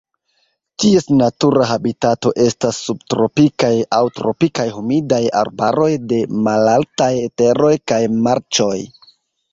Ties natura habitato estas subtropikaj aŭ tropikaj humidaj arbaroj de malaltaj teroj kaj marĉoj.